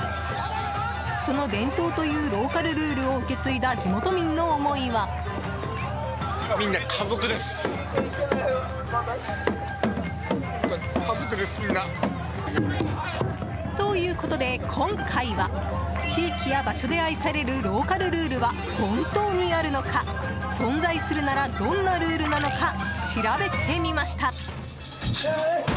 その伝統というローカルルールを受け継いだ地元民の思いは。ということで今回は地域や場所で愛されるローカルルールは本当にあるのか存在するならどんなルールなのか調べてみました。